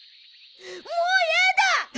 もうやだ！